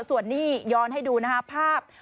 ส่วนนี้ย้อนให้ดูนะคะภาพ